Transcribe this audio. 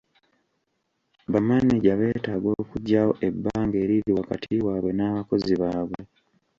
Bamaneja beetaaga okuggyawo ebbanga eriri wakati waabwe n'abakozi baabwe.